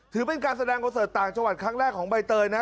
ถือเป็นการแสดงคอนเสิร์ตต่างจังหวัดครั้งแรกของใบเตยนะ